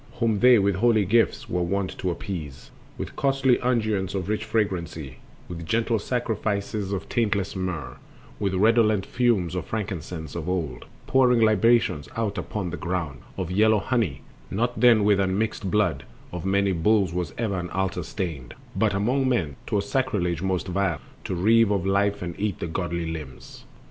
Whom they with holy gifts were wont to appease, With painted images of living things, With costly unguents of rich fragrancy, With gentle sacrifice of taintless myrrh, With redolent fumes of frankincense, of old Pouring libations out upon the ground Of yellow honey; not then with unmixed blood Of many bulls was ever an altar stained; But among men 'twas sacrilege most vile To reeve of life and eat the goodly limbs.